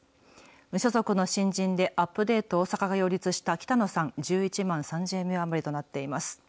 無所属の新人で、アップデートおおさかが擁立した北野さん、１１万３０００票余りとなっています。